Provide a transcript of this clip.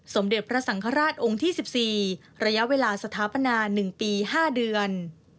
สมเด็จพระสังฆราชองค์ที่๑๔ระยะเวลาสถาปนา๑ปี๕เดือน